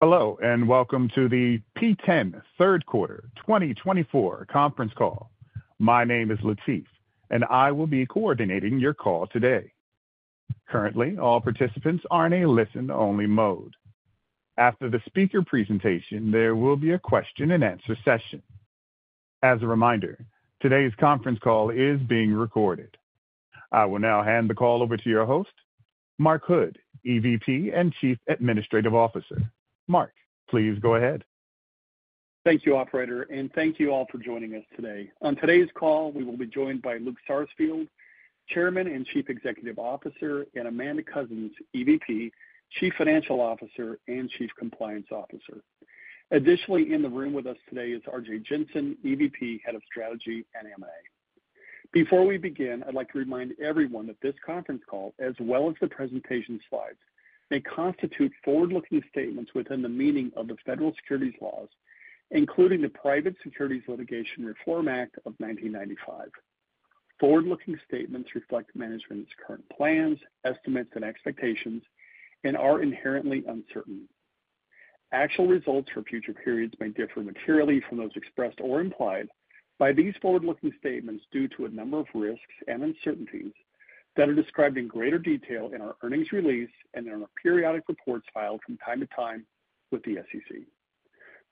Hello, and welcome to the P10 Third Quarter 2024 conference call. My name is Latif, and I will be coordinating your call today. Currently, all participants are in a listen-only mode. After the speaker presentation, there will be a question-and-answer session. As a reminder, today's conference call is being recorded. I will now hand the call over to your host, Mark Hood, EVP and Chief Administrative Officer. Mark, please go ahead. Thank you, Operator, and thank you all for joining us today. On today's call, we will be joined by Luke Sarsfield, Chairman and Chief Executive Officer, and Amanda Coussens, EVP, Chief Financial Officer, and Chief Compliance Officer. Additionally, in the room with us today is Arjay Jensen, EVP, Head of Strategy and M&A. Before we begin, I'd like to remind everyone that this conference call, as well as the presentation slides, may constitute forward-looking statements within the meaning of the federal securities laws, including the Private Securities Litigation Reform Act of 1995. Forward-looking statements reflect management's current plans, estimates, and expectations, and are inherently uncertain. Actual results for future periods may differ materially from those expressed or implied by these forward-looking statements due to a number of risks and uncertainties that are described in greater detail in our earnings release and in our periodic reports filed from time to time with the SEC.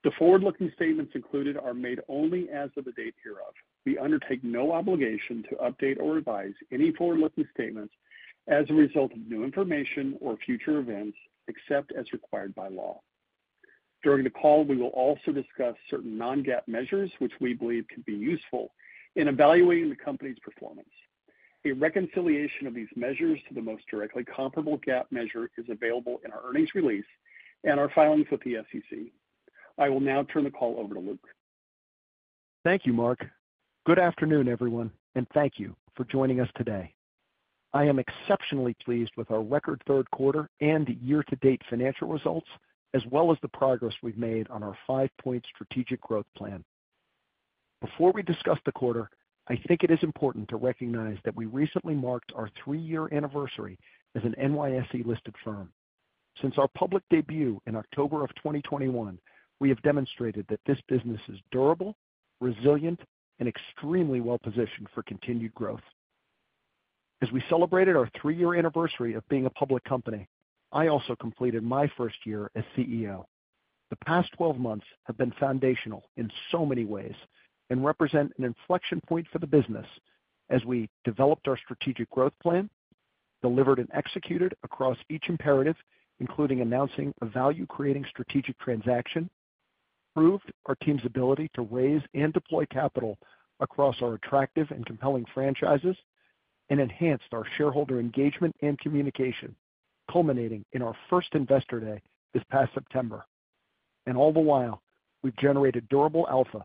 The forward-looking statements included are made only as of the date hereof. We undertake no obligation to update or revise any forward-looking statements as a result of new information or future events, except as required by law. During the call, we will also discuss certain non-GAAP measures, which we believe could be useful in evaluating the company's performance. A reconciliation of these measures to the most directly comparable GAAP measure is available in our earnings release and our filings with the SEC. I will now turn the call over to Luke. Thank you, Mark. Good afternoon, everyone, and thank you for joining us today. I am exceptionally pleased with our record third quarter and year-to-date financial results, as well as the progress we've made on our five-point strategic growth plan. Before we discuss the quarter, I think it is important to recognize that we recently marked our three-year anniversary as an NYSE-listed firm. Since our public debut in October of 2021, we have demonstrated that this business is durable, resilient, and extremely well-positioned for continued growth. As we celebrated our three-year anniversary of being a public company, I also completed my first year as CEO. The past 12 months have been foundational in so many ways and represent an inflection point for the business as we developed our strategic growth plan, delivered and executed across each imperative, including announcing a value-creating strategic transaction, proved our team's ability to raise and deploy capital across our attractive and compelling franchises, and enhanced our shareholder engagement and communication, culminating in our first Investor Day this past September. All the while, we've generated durable alpha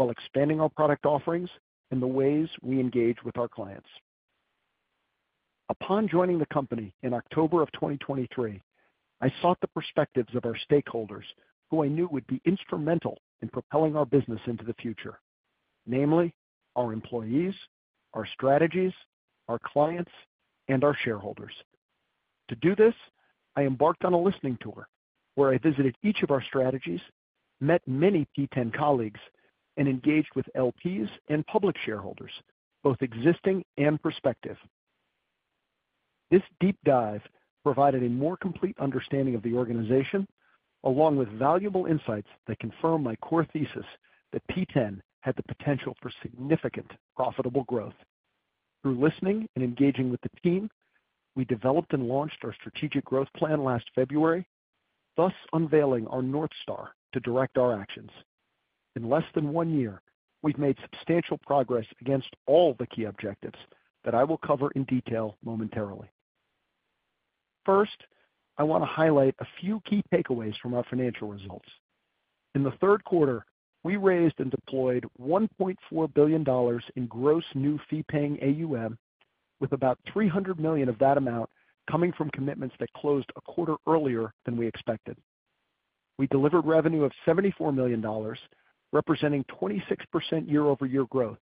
while expanding our product offerings and the ways we engage with our clients. Upon joining the company in October of 2023, I sought the perspectives of our stakeholders, who I knew would be instrumental in propelling our business into the future, namely our employees, our strategies, our clients, and our shareholders. To do this, I embarked on a listening tour where I visited each of our strategies, met many P10 colleagues, and engaged with LPs and public shareholders, both existing and prospective. This deep dive provided a more complete understanding of the organization, along with valuable insights that confirmed my core thesis that P10 had the potential for significant profitable growth. Through listening and engaging with the team, we developed and launched our strategic growth plan last February, thus unveiling our North Star to direct our actions. In less than one year, we've made substantial progress against all the key objectives that I will cover in detail momentarily. First, I want to highlight a few key takeaways from our financial results. In the third quarter, we raised and deployed $1.4 billion in gross new fee-paying AUM, with about $300 million of that amount coming from commitments that closed a quarter earlier than we expected. We delivered revenue of $74 million, representing 26% year-over-year growth.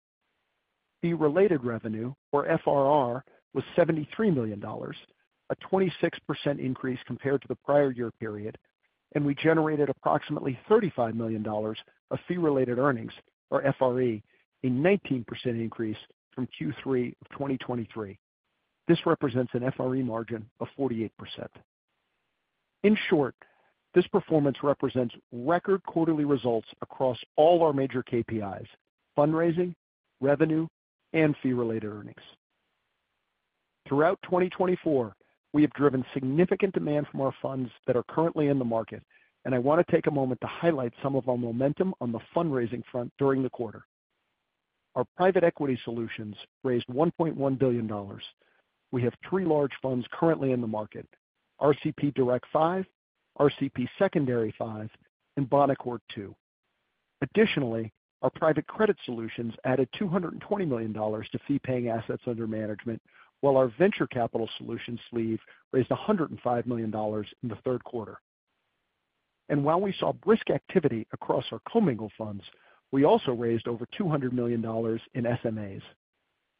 Fee-related revenue, or FRR, was $73 million, a 26% increase compared to the prior year period, and we generated approximately $35 million of fee-related earnings, or FRE, a 19% increase from Q3 of 2023. This represents an FRE margin of 48%. In short, this performance represents record quarterly results across all our major KPIs: fundraising, revenue, and fee-related earnings. Throughout 2024, we have driven significant demand from our funds that are currently in the market, and I want to take a moment to highlight some of our momentum on the fundraising front during the quarter. Our Private Equity Solutions raised $1.1 billion. We have three large funds currently in the market: RCP Direct V, RCP Secondary V, and Bonaccord II. Additionally, our Private Credit Solutions added $220 million to fee-paying assets under management, while our Venture Capital Solutions sleeve raised $105 million in the third quarter. And while we saw brisk activity across our commingled funds, we also raised over $200 million in SMAs.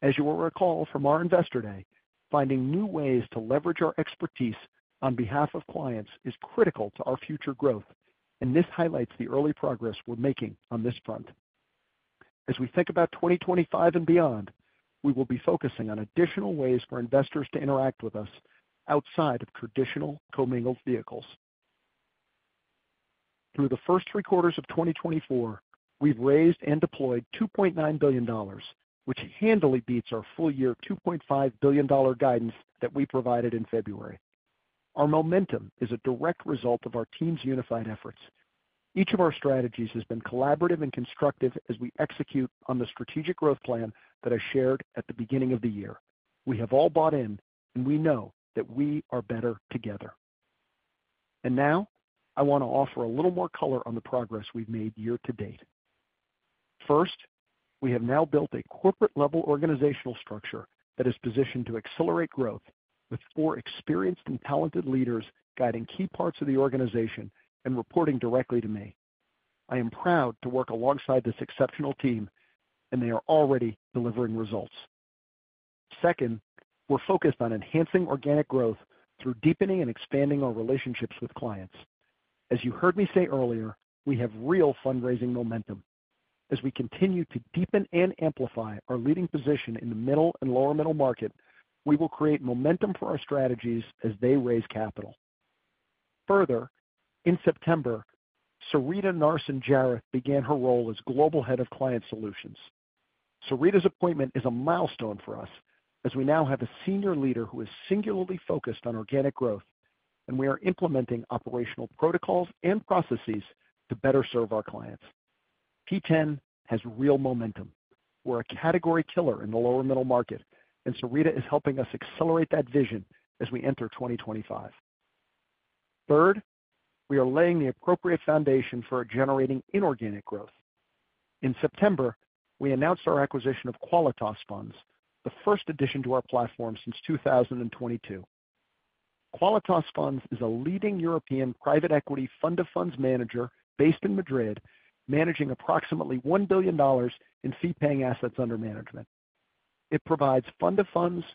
As you will recall from our Investor Day, finding new ways to leverage our expertise on behalf of clients is critical to our future growth, and this highlights the early progress we're making on this front. As we think about 2025 and beyond, we will be focusing on additional ways for investors to interact with us outside of traditional commingled vehicles. Through the first three quarters of 2024, we've raised and deployed $2.9 billion, which handily beats our full-year $2.5 billion guidance that we provided in February. Our momentum is a direct result of our team's unified efforts. Each of our strategies has been collaborative and constructive as we execute on the strategic growth plan that I shared at the beginning of the year. We have all bought in, and we know that we are better together. And now, I want to offer a little more color on the progress we've made year-to-date. First, we have now built a corporate-level organizational structure that is positioned to accelerate growth, with four experienced and talented leaders guiding key parts of the organization and reporting directly to me. I am proud to work alongside this exceptional team, and they are already delivering results. Second, we're focused on enhancing organic growth through deepening and expanding our relationships with clients. As you heard me say earlier, we have real fundraising momentum. As we continue to deepen and amplify our leading position in the middle and lower-middle market, we will create momentum for our strategies as they raise capital. Further, in September, Sarita Narson Jairath began her role as Global Head of Client Solutions. Sarita's appointment is a milestone for us, as we now have a senior leader who is singularly focused on organic growth, and we are implementing operational protocols and processes to better serve our clients. P10 has real momentum. We're a category killer in the lower-middle market, and Sarita is helping us accelerate that vision as we enter 2025. Third, we are laying the appropriate foundation for generating inorganic growth. In September, we announced our acquisition of Qualitas Funds, the first addition to our platform since 2022. Qualitas Funds is a leading European private equity fund of funds manager based in Madrid, managing approximately $1 billion in fee-paying assets under management. It provides fund of funds,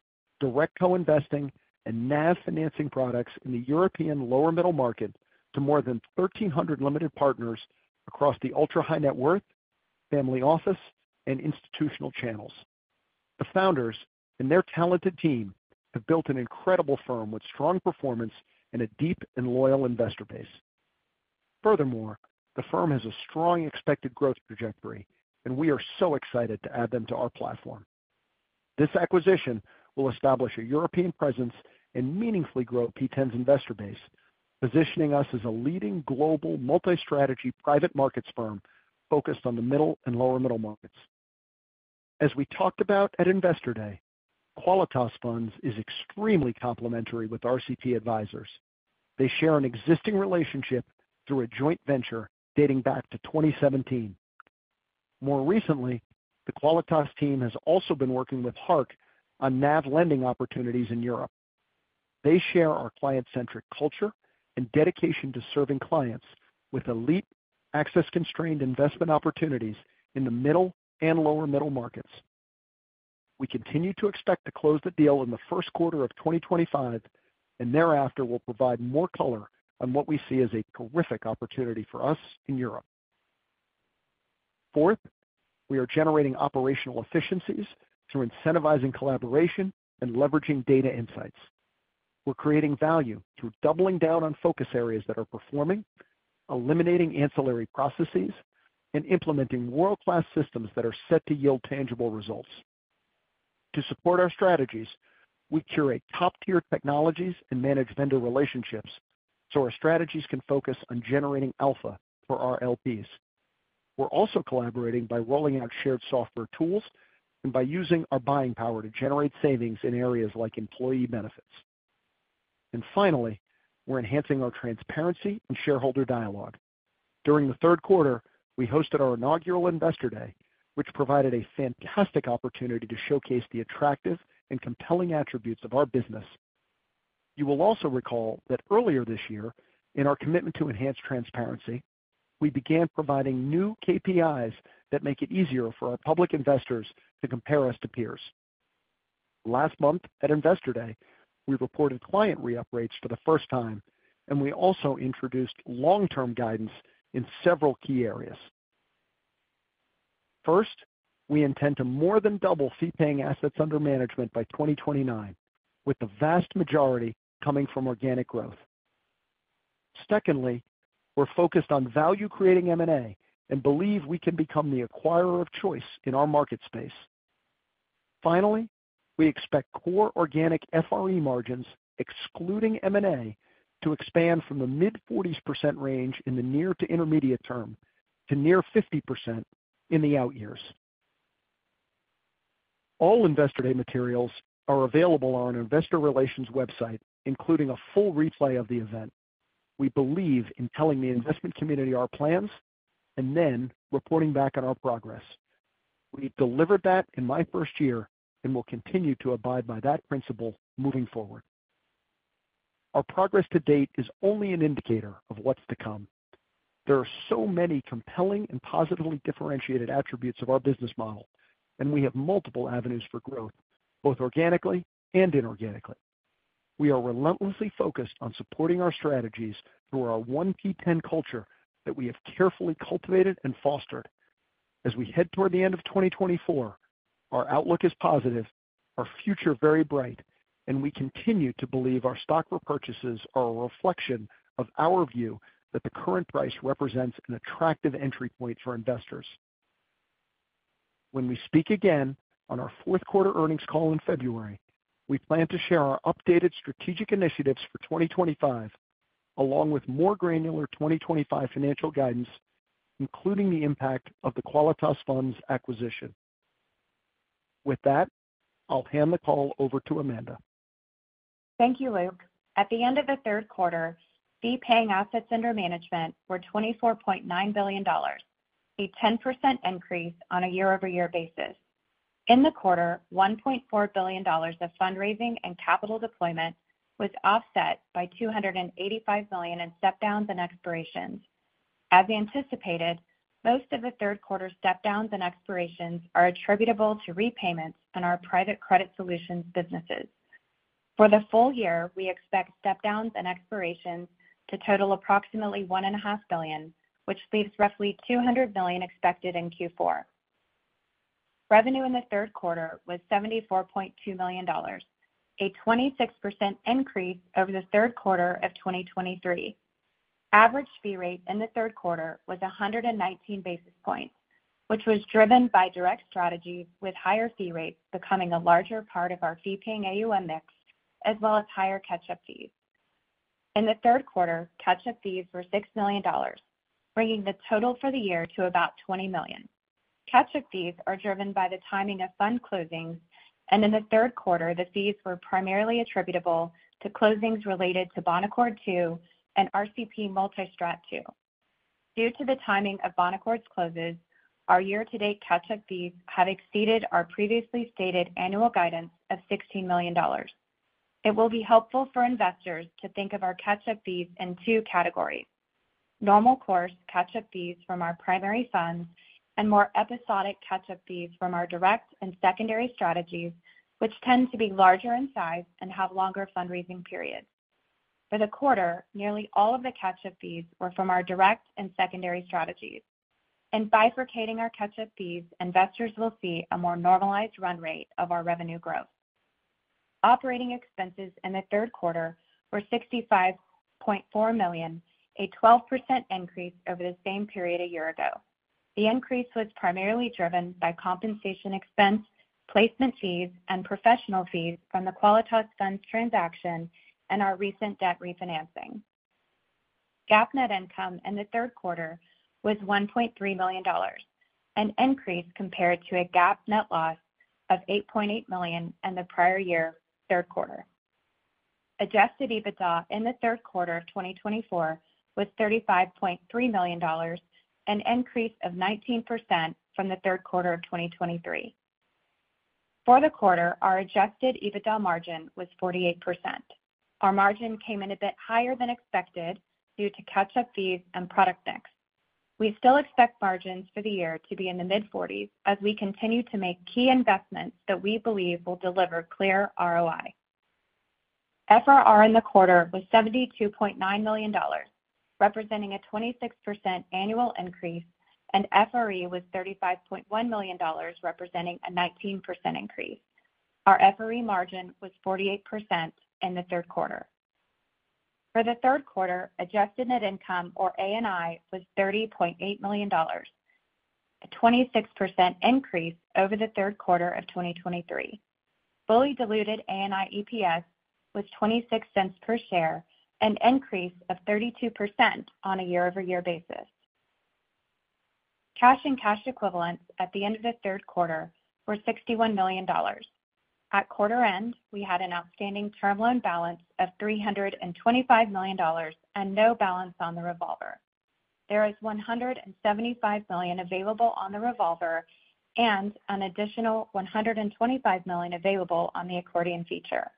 direct co-investing, and NAV financing products in the European lower-middle market to more than 1,300 limited partners across the ultra-high net worth, family office, and institutional channels. The founders and their talented team have built an incredible firm with strong performance and a deep and loyal investor base. Furthermore, the firm has a strong expected growth trajectory, and we are so excited to add them to our platform. This acquisition will establish a European presence and meaningfully grow P10's investor base, positioning us as a leading global multi-strategy private markets firm focused on the middle and lower-middle markets. As we talked about at Investor Day, Qualitas Funds is extremely complementary with RCP Advisors. They share an existing relationship through a joint venture dating back to 2017. More recently, the Qualitas team has also been working with Hark on NAV lending opportunities in Europe. They share our client-centric culture and dedication to serving clients with elite, access-constrained investment opportunities in the middle and lower-middle markets. We continue to expect to close the deal in the first quarter of 2025, and thereafter we'll provide more color on what we see as a terrific opportunity for us in Europe. Fourth, we are generating operational efficiencies through incentivizing collaboration and leveraging data insights. We're creating value through doubling down on focus areas that are performing, eliminating ancillary processes, and implementing world-class systems that are set to yield tangible results. To support our strategies, we curate top-tier technologies and manage vendor relationships so our strategies can focus on generating alpha for our LPs. We're also collaborating by rolling out shared software tools and by using our buying power to generate savings in areas like employee benefits. And finally, we're enhancing our transparency and shareholder dialogue. During the third quarter, we hosted our inaugural Investor Day, which provided a fantastic opportunity to showcase the attractive and compelling attributes of our business. You will also recall that earlier this year, in our commitment to enhanced transparency, we began providing new KPIs that make it easier for our public investors to compare us to peers. Last month, at Investor Day, we reported client re-up rates for the first time, and we also introduced long-term guidance in several key areas. First, we intend to more than double fee-paying assets under management by 2029, with the vast majority coming from organic growth. Secondly, we're focused on value-creating M&A and believe we can become the acquirer of choice in our market space. Finally, we expect core organic FRE margins, excluding M&A, to expand from the mid-40% range in the near to intermediate term to near 50% in the out years. All Investor Day materials are available on our investor relations website, including a full replay of the event. We believe in telling the investment community our plans and then reporting back on our progress. We delivered that in my first year and will continue to abide by that principle moving forward. Our progress to date is only an indicator of what's to come. There are so many compelling and positively differentiated attributes of our business model, and we have multiple avenues for growth, both organically and inorganically. We are relentlessly focused on supporting our strategies through our One P10 culture that we have carefully cultivated and fostered. As we head toward the end of 2024, our outlook is positive, our future very bright, and we continue to believe our stock repurchases are a reflection of our view that the current price represents an attractive entry point for investors. When we speak again on our fourth quarter earnings call in February, we plan to share our updated strategic initiatives for 2025, along with more granular 2025 financial guidance, including the impact of the Qualitas Funds acquisition. With that, I'll hand the call over to Amanda. Thank you, Luke. At the end of the third quarter, fee-paying assets under management were $24.9 billion, a 10% increase on a year-over-year basis. In the quarter, $1.4 billion of fundraising and capital deployment was offset by $285 million in step-downs and expirations. As anticipated, most of the third quarter step-downs and expirations are attributable to repayments in our Private Credit Solutions businesses. For the full year, we expect step-downs and expirations to total approximately $1.5 billion, which leaves roughly $200 million expected in Q4. Revenue in the third quarter was $74.2 million, a 26% increase over the third quarter of 2023. Average fee rate in the third quarter was 119 basis points, which was driven by direct strategies with higher fee rates becoming a larger part of our fee-paying AUM mix, as well as higher catch-up fees. In the third quarter, catch-up fees were $6 million, bringing the total for the year to about $20 million. Catch-up fees are driven by the timing of fund closings, and in the third quarter, the fees were primarily attributable to closings related to Bonaccord II and RCP Multi-Strat II. Due to the timing of Bonaccord's closes, our year-to-date catch-up fees have exceeded our previously stated annual guidance of $16 million. It will be helpful for investors to think of our catch-up fees in two categories: normal course catch-up fees from our primary funds and more episodic catch-up fees from our direct and secondary strategies, which tend to be larger in size and have longer fundraising periods. For the quarter, nearly all of the catch-up fees were from our direct and secondary strategies. In bifurcating our catch-up fees, investors will see a more normalized run rate of our revenue growth. Operating expenses in the third quarter were $65.4 million, a 12% increase over the same period a year ago. The increase was primarily driven by compensation expense, placement fees, and professional fees from the Qualitas Funds transaction and our recent debt refinancing. GAAP net income in the third quarter was $1.3 million, an increase compared to a GAAP net loss of $8.8 million in the prior year's third quarter. Adjusted EBITDA in the third quarter of 2024 was $35.3 million, an increase of 19% from the third quarter of 2023. For the quarter, our Adjusted EBITDA margin was 48%. Our margin came in a bit higher than expected due to catch-up fees and product mix. We still expect margins for the year to be in the mid-40s as we continue to make key investments that we believe will deliver clear ROI. FRR in the quarter was $72.9 million, representing a 26% annual increase, and FRE was $35.1 million, representing a 19% increase. Our FRE margin was 48% in the third quarter. For the third quarter, adjusted net income, or ANI, was $30.8 million, a 26% increase over the third quarter of 2023. Fully diluted ANI EPS was $0.26 per share, an increase of 32% on a year-over-year basis. Cash and cash equivalents at the end of the third quarter were $61 million. At quarter end, we had an outstanding term loan balance of $325 million and no balance on the revolver. There is $175 million available on the revolver and an additional $125 million available on the accordion feature.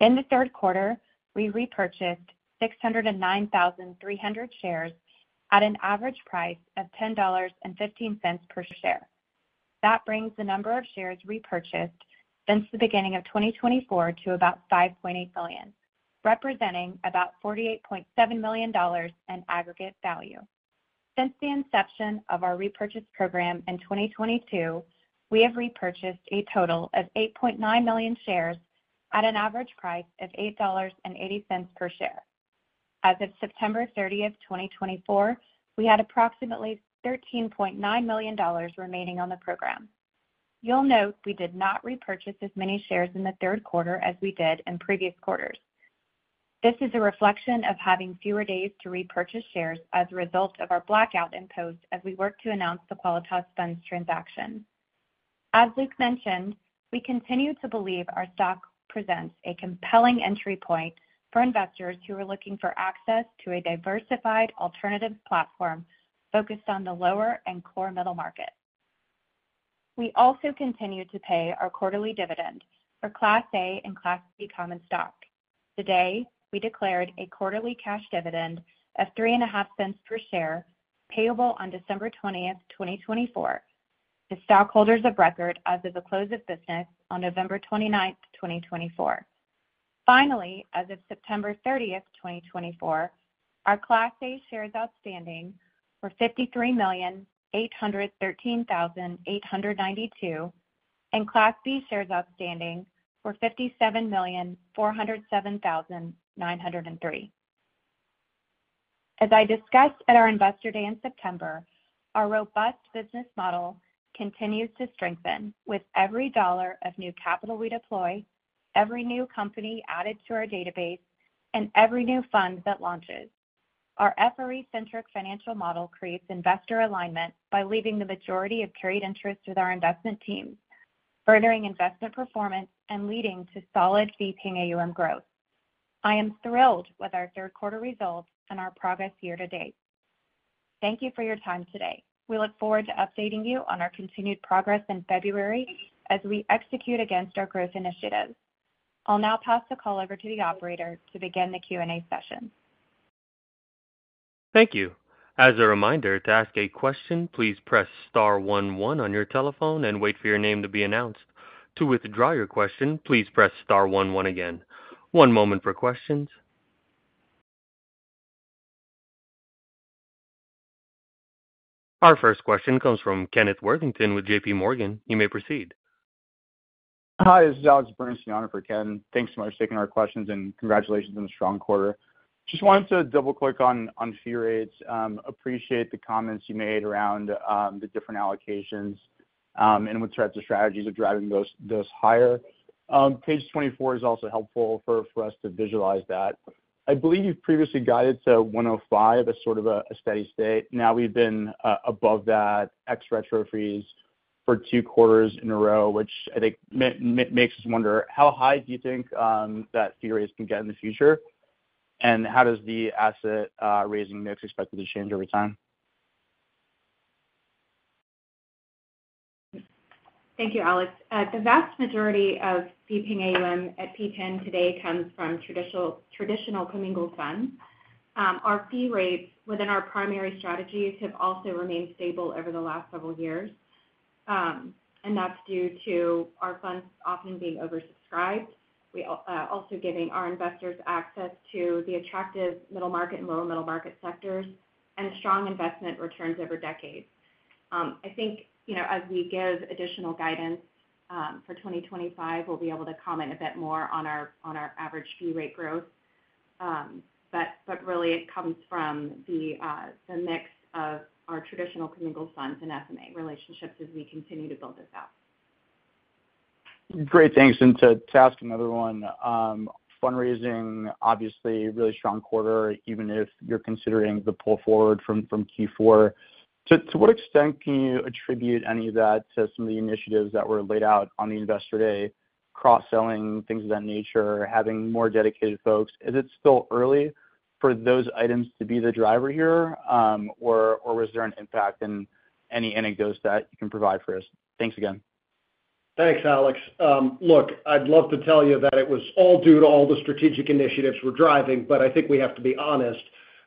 In the third quarter, we repurchased 609,300 shares at an average price of $10.15 per share. That brings the number of shares repurchased since the beginning of 2024 to about 5.8 million, representing about $48.7 million in aggregate value. Since the inception of our repurchase program in 2022, we have repurchased a total of 8.9 million shares at an average price of $8.80 per share. As of September 30, 2024, we had approximately $13.9 million remaining on the program. You'll note we did not repurchase as many shares in the third quarter as we did in previous quarters. This is a reflection of having fewer days to repurchase shares as a result of our blackout imposed as we worked to announce the Qualitas Funds transaction. As Luke mentioned, we continue to believe our stock presents a compelling entry point for investors who are looking for access to a diversified alternative platform focused on the lower and core middle market. We also continue to pay our quarterly dividend for Class A and Class B common stock. Today, we declared a quarterly cash dividend of $3.50 per share payable on December 20, 2024, to stockholders of record as of the close of business on November 29th, 2024. Finally, as of September 30th, 2024, our Class A shares outstanding were 53,813,892, and Class B shares outstanding were 57,407,903. As I discussed at our Investor Day in September, our robust business model continues to strengthen with every dollar of new capital we deploy, every new company added to our database, and every new fund that launches. Our FRE-centric financial model creates investor alignment by leaving the majority of carried interest with our investment teams, furthering investment performance and leading to solid fee-paying AUM growth. I am thrilled with our third quarter results and our progress year-to-date. Thank you for your time today. We look forward to updating you on our continued progress in February as we execute against our growth initiatives. I'll now pass the call over to the operator to begin the Q&A session. Thank you. As a reminder, to ask a question, please press star one one on your telephone and wait for your name to be announced. To withdraw your question, please press star one one again. One moment for questions. Our first question comes from Kenneth Worthington with J.P. Morgan. You may proceed. Hi, this is Alex Bernstein on for Ken. Thanks so much for taking our questions and congratulations on the strong quarter. Just wanted to double-click on fee rates. Appreciate the comments you made around the different allocations and what types of strategies are driving those higher. Page 24 is also helpful for us to visualize that. I believe you've previously guided to 105 as sort of a steady state. Now we've been above that ex-retro fees for two quarters in a row, which I think makes us wonder how high do you think that fee rate can get in the future, and how does the asset raising mix expected to change over time? Thank you, Alex. The vast majority of fee-paying AUM at P10 today comes from traditional commingled funds. Our fee rates within our primary strategies have also remained stable over the last several years, and that's due to our funds often being oversubscribed, also giving our investors access to the attractive middle market and lower-middle market sectors and strong investment returns over decades. I think as we give additional guidance for 2025, we'll be able to comment a bit more on our average fee rate growth, but really it comes from the mix of our traditional commingled funds and SMA relationships as we continue to build this out. Great. Thanks. And to ask another one, fundraising, obviously really strong quarter, even if you're considering the pull forward from Q4. To what extent can you attribute any of that to some of the initiatives that were laid out on the Investor Day, cross-selling, things of that nature, having more dedicated folks? Is it still early for those items to be the driver here, or was there an impact in any anecdotes that you can provide for us? Thanks again. Thanks, Alex. Look, I'd love to tell you that it was all due to all the strategic initiatives we're driving, but I think we have to be honest.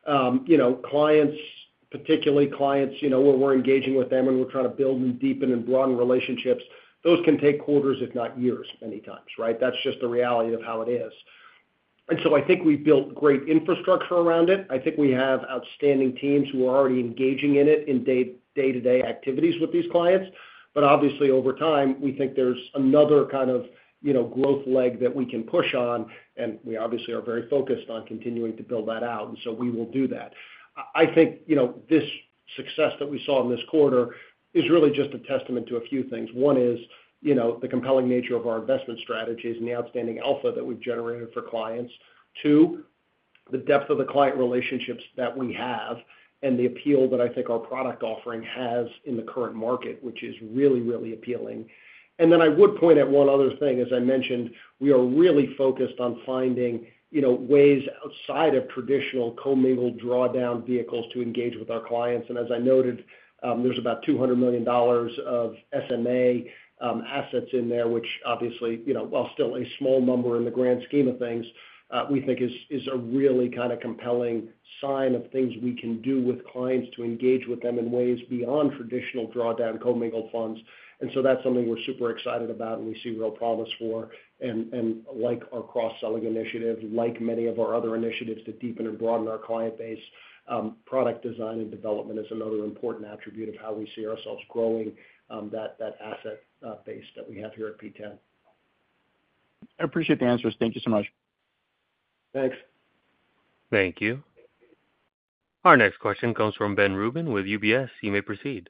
Clients, particularly clients where we're engaging with them and we're trying to build and deepen and broaden relationships, those can take quarters, if not years, many times, right? That's just the reality of how it is, and so I think we've built great infrastructure around it. I think we have outstanding teams who are already engaging in it in day-to-day activities with these clients. But obviously, over time, we think there's another kind of growth leg that we can push on, and we obviously are very focused on continuing to build that out, and so we will do that. I think this success that we saw in this quarter is really just a testament to a few things. One is the compelling nature of our investment strategies and the outstanding alpha that we've generated for clients. Two, the depth of the client relationships that we have and the appeal that I think our product offering has in the current market, which is really, really appealing. And then I would point at one other thing. As I mentioned, we are really focused on finding ways outside of traditional commingled drawdown vehicles to engage with our clients. As I noted, there's about $200 million of SMA assets in there, which obviously, while still a small number in the grand scheme of things, we think is a really kind of compelling sign of things we can do with clients to engage with them in ways beyond traditional drawdown commingled funds. And so that's something we're super excited about and we see real promise for. And like our cross-selling initiative, like many of our other initiatives to deepen and broaden our client base, product design and development is another important attribute of how we see ourselves growing that asset base that we have here at P10. I appreciate the answers. Thank you so much. Thanks. Thank you. Our next question comes from Ben Rubin with UBS. You may proceed.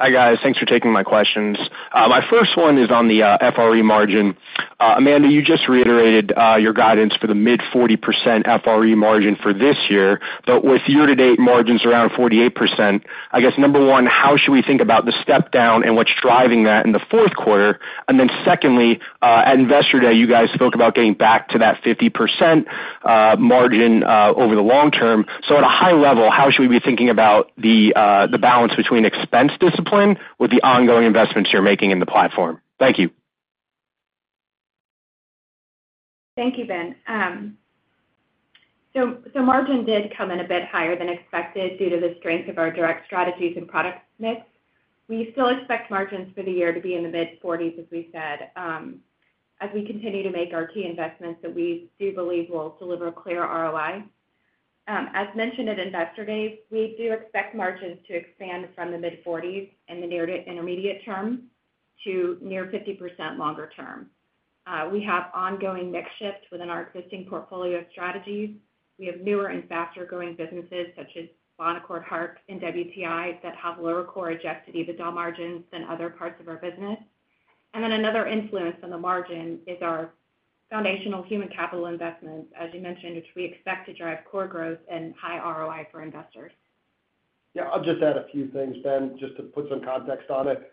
Hi guys. Thanks for taking my questions. My first one is on the FRE margin. Amanda, you just reiterated your guidance for the mid-40% FRE margin for this year, but with year-to-date margins around 48%, I guess number one, how should we think about the step down and what's driving that in the fourth quarter? And then secondly, at Investor Day, you guys spoke about getting back to that 50% margin over the long term. So at a high level, how should we be thinking about the balance between expense discipline with the ongoing investments you're making in the platform? Thank you. Thank you, Ben. So margin did come in a bit higher than expected due to the strength of our direct strategies and product mix. We still expect margins for the year to be in the mid-40s%, as we said, as we continue to make our key investments that we do believe will deliver clear ROI. As mentioned at Investor Day, we do expect margins to expand from the mid-40s% in the near to intermediate term to near 50% longer term. We have ongoing mix shift within our existing portfolio strategies. We have newer and faster growing businesses such as Bonaccord, Hark, and WTI that have lower core Adjusted EBITDA margins than other parts of our business. And then another influence on the margin is our foundational human capital investments, as you mentioned, which we expect to drive core growth and high ROI for investors. Yeah, I'll just add a few things, Ben, just to put some context on it.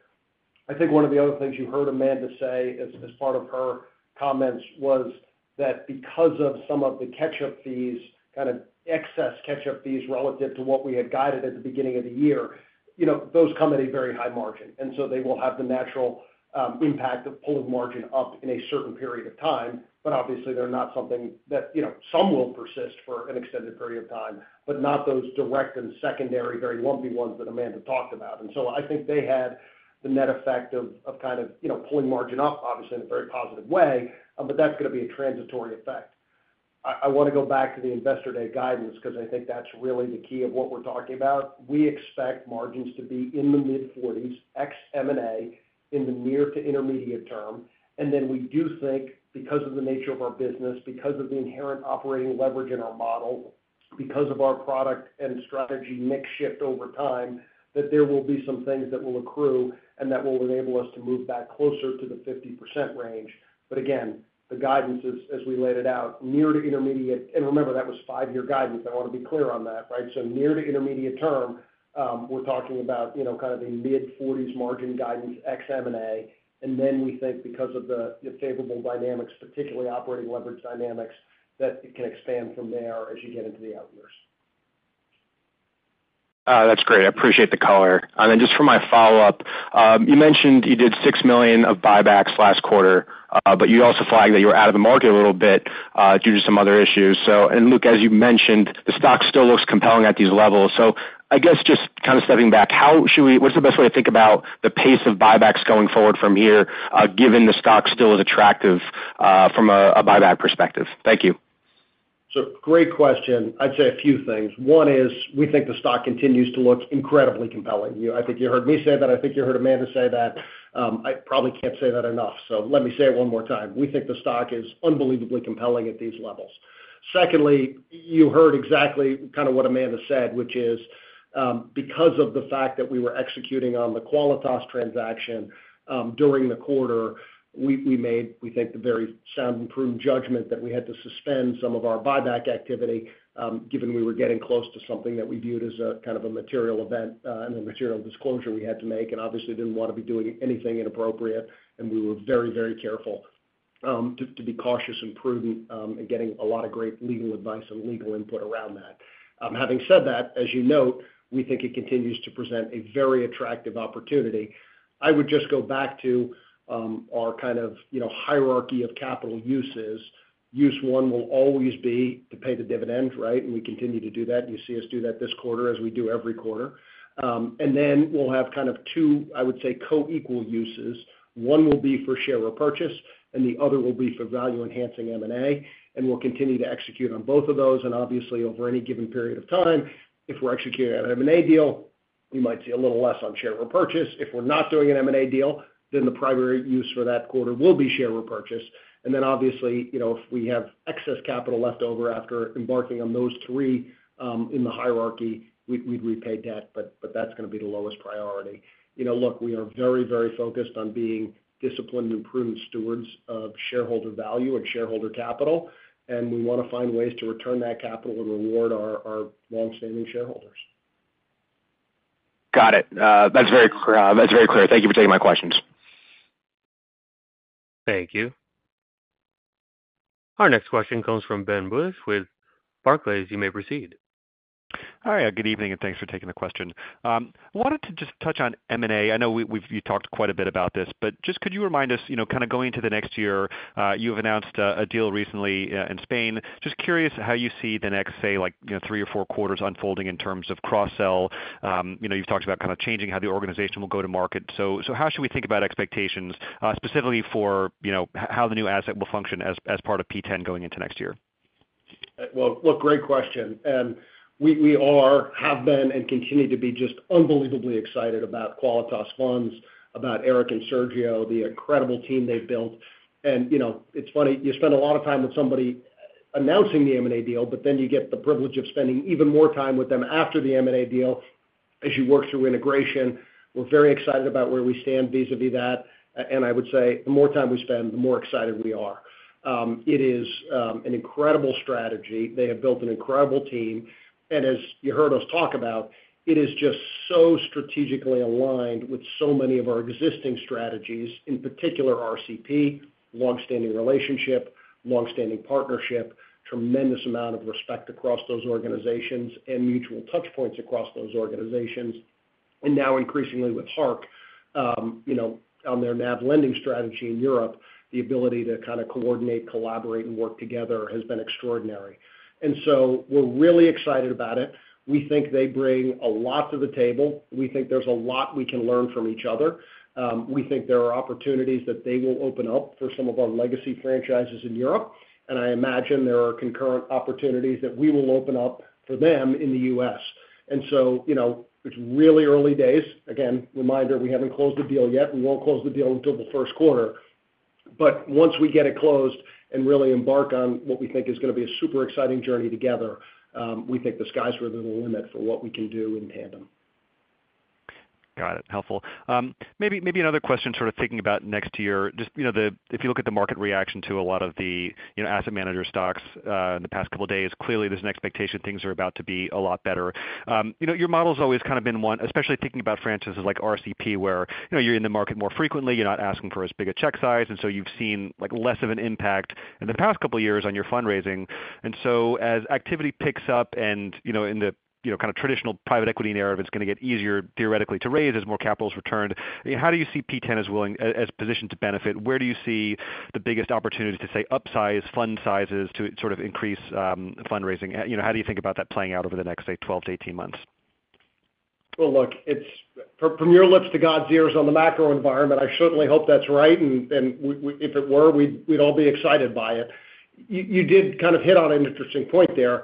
I think one of the other things you heard Amanda say as part of her comments was that because of some of the catch-up fees, kind of excess catch-up fees relative to what we had guided at the beginning of the year, those come at a very high margin, and so they will have the natural impact of pulling margin up in a certain period of time, but obviously they're not something that some will persist for an extended period of time, but not those direct and secondary, very lumpy ones that Amanda talked about, and so I think they had the net effect of kind of pulling margin up, obviously in a very positive way, but that's going to be a transitory effect. I want to go back to the Investor Day guidance because I think that's really the key of what we're talking about. We expect margins to be in the mid-40s%, ex-M&A in the near to intermediate term, and then we do think because of the nature of our business, because of the inherent operating leverage in our model, because of our product and strategy mix shift over time, that there will be some things that will accrue and that will enable us to move back closer to the 50% range, but again, the guidance, as we laid it out, near to intermediate, and remember, that was five-year guidance. I want to be clear on that, right? Near to intermediate term, we're talking about kind of a mid-40s% margin guidance, ex-M&A, and then we think because of the favorable dynamics, particularly operating leverage dynamics, that it can expand from there as you get into the out years. That's great. I appreciate the color. Then just for my follow-up, you mentioned you did $6 million of buybacks last quarter, but you also flagged that you were out of the market a little bit due to some other issues. And Luke, as you mentioned, the stock still looks compelling at these levels. So I guess just kind of stepping back, what's the best way to think about the pace of buybacks going forward from here, given the stock still is attractive from a buyback perspective? Thank you. Sure. Great question. I'd say a few things. One is we think the stock continues to look incredibly compelling. I think you heard me say that. I think you heard Amanda say that. I probably can't say that enough, so let me say it one more time. We think the stock is unbelievably compelling at these levels. Secondly, you heard exactly kind of what Amanda said, which is because of the fact that we were executing on the Qualitas transaction during the quarter, we made, we think, the very sound and prudent judgment that we had to suspend some of our buyback activity, given we were getting close to something that we viewed as a kind of a material event and a material disclosure we had to make, and obviously, didn't want to be doing anything inappropriate, and we were very, very careful to be cautious and prudent in getting a lot of great legal advice and legal input around that. Having said that, as you note, we think it continues to present a very attractive opportunity. I would just go back to our kind of hierarchy of capital uses. Use one will always be to pay the dividend, right, and we continue to do that. You see us do that this quarter as we do every quarter. And then we'll have kind of two, I would say, co-equal uses. One will be for share repurchase, and the other will be for value-enhancing M&A. And we'll continue to execute on both of those. And obviously, over any given period of time, if we're executing on an M&A deal, we might see a little less on share repurchase. If we're not doing an M&A deal, then the primary use for that quarter will be share repurchase. And then obviously, if we have excess capital left over after embarking on those three in the hierarchy, we'd repay debt, but that's going to be the lowest priority. Look, we are very, very focused on being disciplined and prudent stewards of shareholder value and shareholder capital, and we want to find ways to return that capital and reward our long-standing shareholders. Got it. That's very clear. Thank you for taking my questions. Thank you. Our next question comes from Ben Budish with Barclays. You may proceed. Hi. Good evening, and thanks for taking the question. I wanted to just touch on M&A. I know we've talked quite a bit about this, but just could you remind us, kind of going into the next year, you have announced a deal recently in Spain. Just curious how you see the next, say, three or four quarters unfolding in terms of cross-sell. You've talked about kind of changing how the organization will go to market. So how should we think about expectations, specifically for how the new asset will function as part of P10 going into next year? Well, look, great question. And we are, have been, and continue to be just unbelievably excited about Qualitas Funds, about Eric and Sergio, the incredible team they've built. And it's funny, you spend a lot of time with somebody announcing the M&A deal, but then you get the privilege of spending even more time with them after the M&A deal as you work through integration. We're very excited about where we stand vis-à-vis that. And I would say the more time we spend, the more excited we are. It is an incredible strategy. They have built an incredible team. And as you heard us talk about, it is just so strategically aligned with so many of our existing strategies, in particular RCP, long-standing relationship, long-standing partnership, tremendous amount of respect across those organizations, and mutual touchpoints across those organizations. And now increasingly with Hark on their NAV lending strategy in Europe, the ability to kind of coordinate, collaborate, and work together has been extraordinary. And so we're really excited about it. We think they bring a lot to the table. We think there's a lot we can learn from each other. We think there are opportunities that they will open up for some of our legacy franchises in Europe. And I imagine there are concurrent opportunities that we will open up for them in the U.S. And so it's really early days. Again, reminder, we haven't closed the deal yet. We won't close the deal until the first quarter. But once we get it closed and really embark on what we think is going to be a super exciting journey together, we think the sky's really the limit for what we can do in tandem. Got it. Helpful. Maybe another question sort of thinking about next year. Just if you look at the market reaction to a lot of the asset manager stocks in the past couple of days, clearly there's an expectation things are about to be a lot better. Your model has always kind of been one, especially thinking about franchises like RCP, where you're in the market more frequently, you're not asking for as big a check size, and so you've seen less of an impact in the past couple of years on your fundraising. And so as activity picks up and in the kind of traditional private equity narrative, it's going to get easier theoretically to raise as more capital is returned. How do you see P10 as positioned to benefit? Where do you see the biggest opportunities to, say, upsize fund sizes to sort of increase fundraising? How do you think about that playing out over the next, say, 12-18 months? Well, look, from your lips to God's ears on the macro environment, I certainly hope that's right. And if it were, we'd all be excited by it. You did kind of hit on an interesting point there.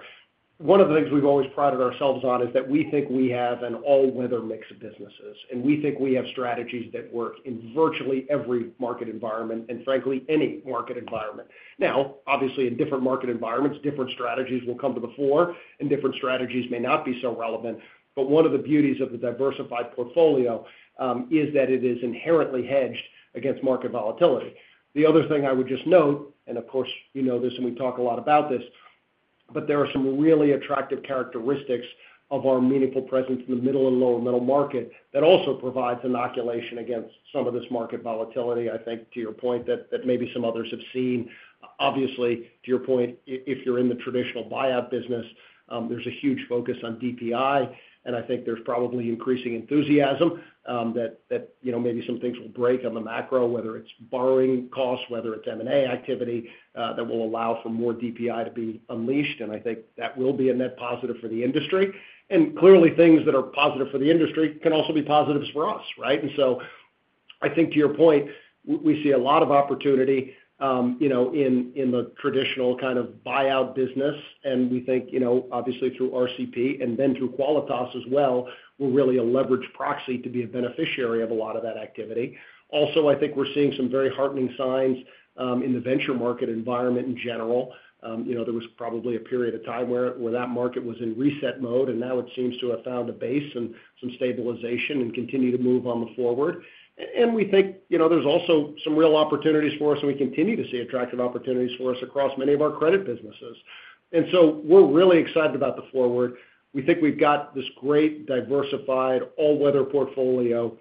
One of the things we've always prided ourselves on is that we think we have an all-weather mix of businesses, and we think we have strategies that work in virtually every market environment and, frankly, any market environment. Now, obviously, in different market environments, different strategies will come to the fore, and different strategies may not be so relevant. But one of the beauties of the diversified portfolio is that it is inherently hedged against market volatility. The other thing I would just note, and of course, you know this and we talk a lot about this, but there are some really attractive characteristics of our meaningful presence in the middle and lower middle market that also provides inoculation against some of this market volatility, I think, to your point, that maybe some others have seen. Obviously, to your point, if you're in the traditional buyout business, there's a huge focus on DPI, and I think there's probably increasing enthusiasm that maybe some things will break on the macro, whether it's borrowing costs, whether it's M&A activity that will allow for more DPI to be unleashed. I think that will be a net positive for the industry. Clearly, things that are positive for the industry can also be positives for us, right? So I think to your point, we see a lot of opportunity in the traditional kind of buyout business, and we think, obviously, through RCP and then through Qualitas as well, we're really a leveraged proxy to be a beneficiary of a lot of that activity. Also, I think we're seeing some very heartening signs in the venture market environment in general. There was probably a period of time where that market was in reset mode, and now it seems to have found a base and some stabilization and continued to move forward. We think there's also some real opportunities for us, and we continue to see attractive opportunities for us across many of our credit businesses. And so we're really excited about the future. We think we've got this great diversified all-weather portfolio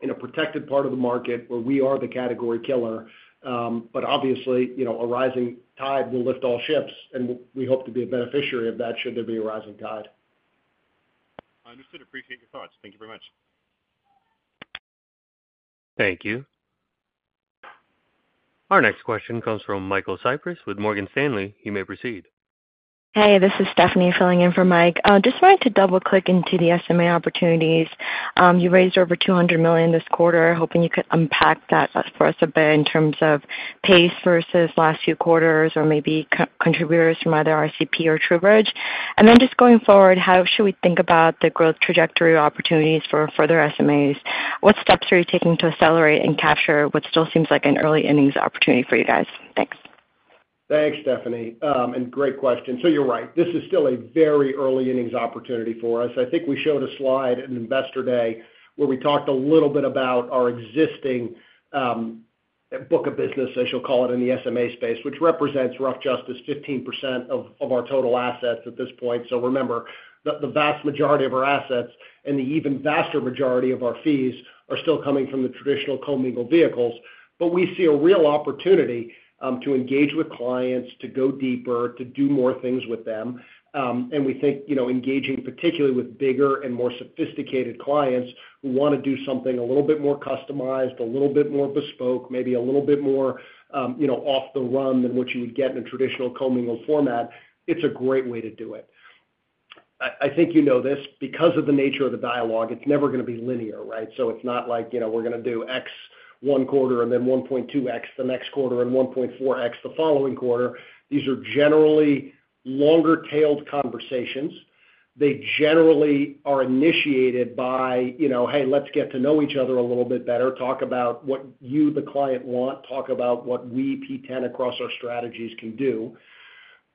in a protected part of the market where we are the category killer. But obviously, a rising tide will lift all ships, and we hope to be a beneficiary of that should there be a rising tide. I understand. I appreciate your thoughts. Thank you very much. Thank you. Our next question comes from Michael Cyprys with Morgan Stanley. You may proceed. Hey, this is Stephanie filling in for Mike. Just wanted to double-click into the SMA opportunities. You raised over $200 million this quarter. Hoping you could unpack that for us a bit in terms of pace versus last few quarters or maybe contributors from either RCP or TrueBridge. And then just going forward, how should we think about the growth trajectory opportunities for further SMAs? What steps are you taking to accelerate and capture what still seems like an early earnings opportunity for you guys? Thanks. Thanks, Stephanie. And great question. So you're right. This is still a very early earnings opportunity for us. I think we showed a slide on Investor Day where we talked a little bit about our existing book of business, as you'll call it, in the SMA space, which represents roughly 15% of our total assets at this point. So remember, the vast majority of our assets and the even vaster majority of our fees are still coming from the traditional commingled vehicles. But we see a real opportunity to engage with clients, to go deeper, to do more things with them. We think engaging particularly with bigger and more sophisticated clients who want to do something a little bit more customized, a little bit more bespoke, maybe a little bit more off the run than what you would get in a traditional commingled format. It's a great way to do it. I think you know this. Because of the nature of the dialogue, it's never going to be linear, right? It's not like we're going to do X one quarter and then 1.2X the next quarter and 1.4X the following quarter. These are generally longer-tailed conversations. They generally are initiated by, "Hey, let's get to know each other a little bit better. Talk about what you, the client, want. Talk about what we, P10, across our strategies can do."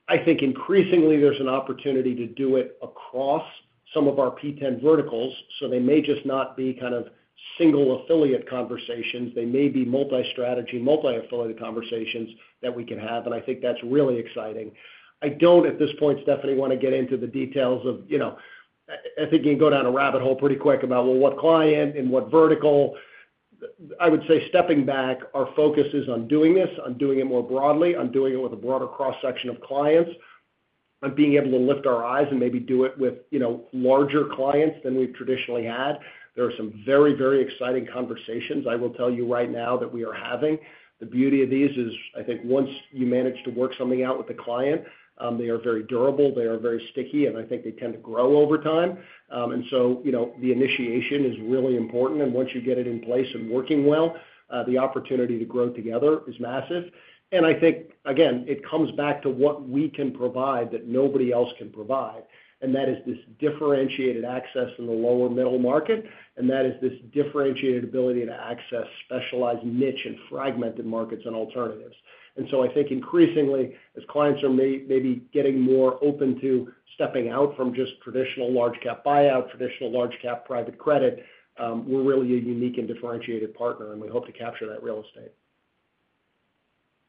I think increasingly there's an opportunity to do it across some of our P10 verticals. So they may just not be kind of single affiliate conversations. They may be multi-strategy, multi-affiliate conversations that we can have. And I think that's really exciting. I don't, at this point, Stephanie, want to get into the details of I think you can go down a rabbit hole pretty quick about, well, what client and what vertical. I would say stepping back, our focus is on doing this, on doing it more broadly, on doing it with a broader cross-section of clients, on being able to lift our eyes and maybe do it with larger clients than we've traditionally had. There are some very, very exciting conversations, I will tell you right now, that we are having. The beauty of these is, I think once you manage to work something out with the client, they are very durable, they are very sticky, and I think they tend to grow over time. And so the initiation is really important. And once you get it in place and working well, the opportunity to grow together is massive. And I think, again, it comes back to what we can provide that nobody else can provide. And that is this differentiated access in the lower-middle market. And that is this differentiated ability to access specialized niche and fragmented markets and alternatives. And so I think increasingly, as clients are maybe getting more open to stepping out from just traditional large-cap buyout, traditional large-cap private credit, we're really a unique and differentiated partner, and we hope to capture that real estate.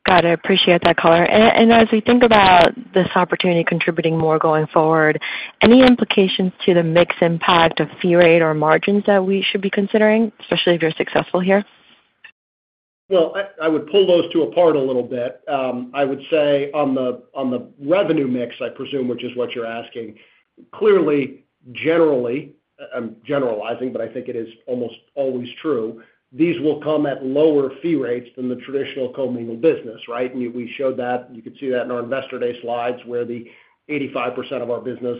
Got it. Appreciate that color. As we think about this opportunity contributing more going forward, any implications to the mix impact of fee rate or margins that we should be considering, especially if you're successful here? Well, I would pull those two apart a little bit. I would say on the revenue mix, I presume, which is what you're asking. Clearly, generally I'm generalizing, but I think it is almost always true. These will come at lower fee rates than the traditional commingled business, right? And we showed that. You could see that in our Investor Day slides where the 85% of our business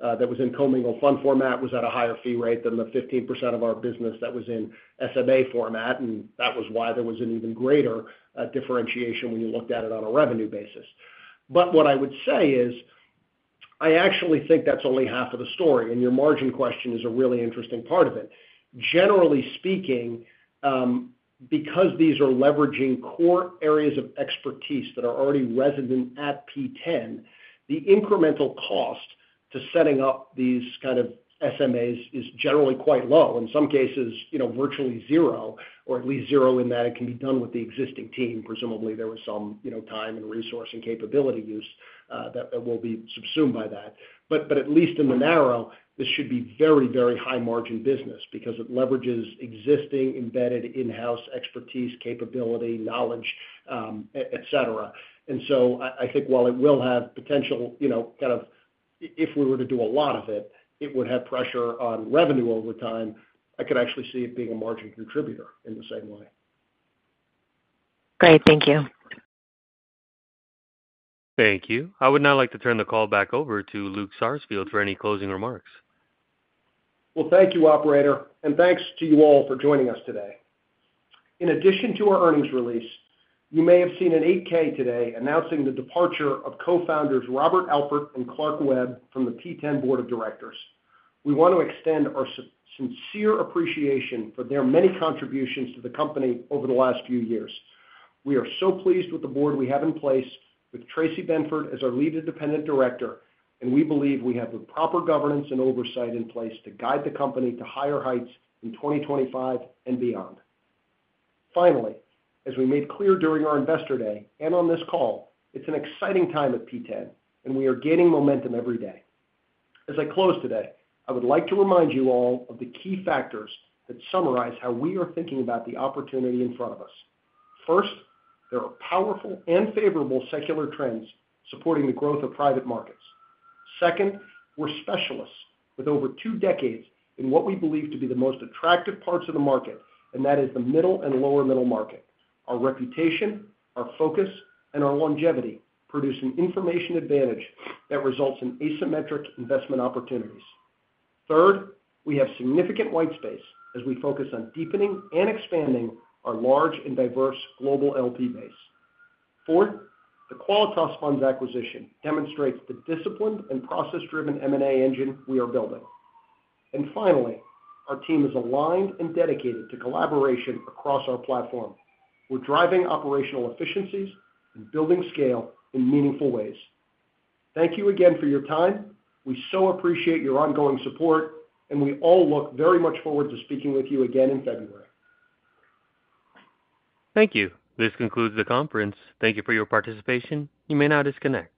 that was in commingled fund format was at a higher fee rate than the 15% of our business that was in SMA format. And that was why there was an even greater differentiation when you looked at it on a revenue basis. But what I would say is I actually think that's only half of the story. And your margin question is a really interesting part of it. Generally speaking, because these are leveraging core areas of expertise that are already resident at P10, the incremental cost to setting up these kind of SMAs is generally quite low. In some cases, virtually zero, or at least zero in that it can be done with the existing team. Presumably, there was some time and resource and capability use that will be subsumed by that. But at least in the narrow, this should be very, very high-margin business because it leverages existing embedded in-house expertise, capability, knowledge, etc. And so I think while it will have potential kind of if we were to do a lot of it, it would have pressure on revenue over time. I could actually see it being a margin contributor in the same way. Great. Thank you. Thank you. I would now like to turn the call back over to Luke Sarsfield for any closing remarks. Thank you, operator. Thanks to you all for joining us today. In addition to our earnings release, you may have seen an 8-K today announcing the departure of co-founders Robert Alpert and Clark Webb from the P10 Board of Directors. We want to extend our sincere appreciation for their many contributions to the company over the last few years. We are so pleased with the board we have in place with Tracey Benford as our Lead Independent Director, and we believe we have the proper governance and oversight in place to guide the company to higher heights in 2025 and beyond. Finally, as we made clear during our Investor Day and on this call, it's an exciting time at P10, and we are gaining momentum every day. As I close today, I would like to remind you all of the key factors that summarize how we are thinking about the opportunity in front of us. First, there are powerful and favorable secular trends supporting the growth of private markets. Second, we're specialists with over two decades in what we believe to be the most attractive parts of the market, and that is the middle and lower middle market. Our reputation, our focus, and our longevity produce an information advantage that results in asymmetric investment opportunities. Third, we have significant white space as we focus on deepening and expanding our large and diverse global LP base. Fourth, the Qualitas Funds acquisition demonstrates the disciplined and process-driven M&A engine we are building. And finally, our team is aligned and dedicated to collaboration across our platform. We're driving operational efficiencies and building scale in meaningful ways. Thank you again for your time. We so appreciate your ongoing support, and we all look very much forward to speaking with you again in February. Thank you. This concludes the conference. Thank you for your participation. You may now disconnect.